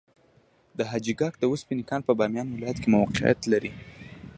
د حاجي ګک د وسپنې کان په بامیان ولایت کې موقعیت لري.